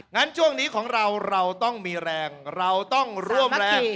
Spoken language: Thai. งั้นช่วงนี้ของเราเราต้องมีแรงเราต้องร่วมแรง